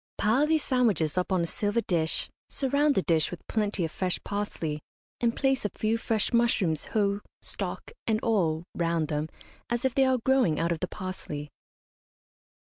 Pile these sandwiches up on a silver dish, surround the dish with plenty of fresh parsley, and place a few fresh mushrooms whole, stalk and all, round them, as if they are growing out of the parsley.